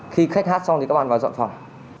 khi khách hát xong thì các bạn vào dọn phòng